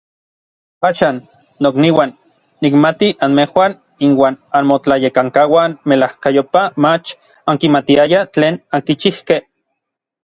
Axan, nokniuan, nikmati anmejuan inuan anmotlayekankauan melajkayopaj mach ankimatiayaj tlen ankichijkej.